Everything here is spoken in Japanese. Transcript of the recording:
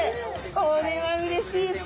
これはうれしいですね。